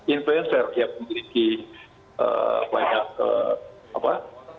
influencer yang memiliki banyak apa